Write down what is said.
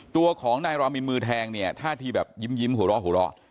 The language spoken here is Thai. ตัวของนายรามินมือแทงเนี่ยท่าทีแบบยิ้มหัวเราะหัวเราะ